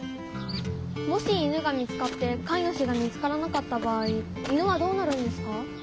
もし犬が見つかってかいぬしが見つからなかった場合犬はどうなるんですか？